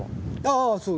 あぁそう。